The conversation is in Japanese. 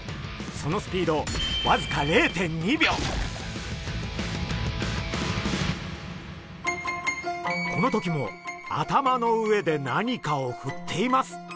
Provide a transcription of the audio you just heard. そのスピードわずかこの時も頭の上で何かをふっています。